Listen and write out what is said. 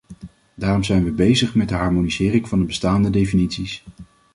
Daarom zijn we bezig met de harmonisering van de bestaande definities.